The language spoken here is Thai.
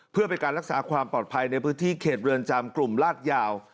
เพื่อเป็นการรักษาความปลอดภัยในพื้นที่เขตเรือนจำกลุ่มลาดยาว